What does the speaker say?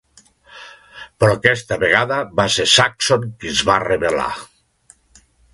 Però aquesta vegada va ser Saxon qui es va rebel·lar.